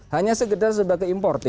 hanya sekedar sebagai importer